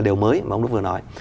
điều mới mà ông đúc vừa nói